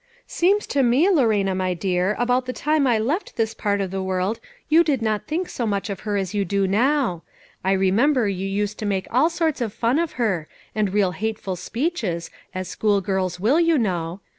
" Seems to me, Lorena, my dear, about the time I left this part of the world you did not think so much of her as you do now. I remem ber you used to make all sorts of fun of her, and real hateful speeches, as schoolgirls will, you know.